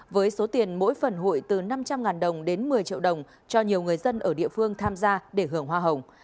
với số tiền mỗi phần hụi từ năm trăm linh đồng đến một mươi triệu đồng cho nhiều người dân ở địa phương tham gia để hưởng hoa hồng